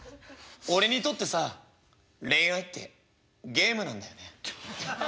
「俺にとってさ恋愛ってゲームなんだよね。